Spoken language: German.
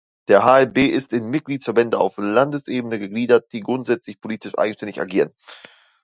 Der hlb ist in Mitgliedsverbände auf Landesebene gegliedert, die grundsätzlich politisch eigenständig agieren.